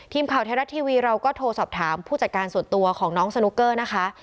แล้วก็โทรสอบถามผู้จัดการส่วนตัวของน้องสนุกเกอร์นะคะ